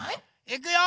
いくよ！